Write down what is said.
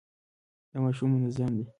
دا ماشوم منظم دی.